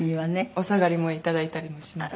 お下がりもいただいたりもしますし。